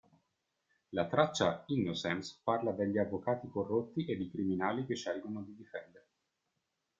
La traccia "Innocence" parla degli "avvocati corrotti ed i criminali che scelgono di difendere".